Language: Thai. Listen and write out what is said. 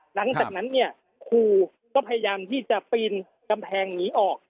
หลังจากนั้นเนี่ยครูก็พยายามที่จะปีนกำแพงหนีออก